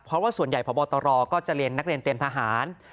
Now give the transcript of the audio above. เพราะว่าส่วนใหญ่พบตรก็จะเรียนนักเรียนเตรียมทหาร